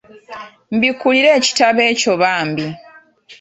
Mbikkulira ekitabo ekyo bambi.